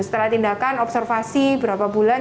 setelah tindakan observasi berapa bulan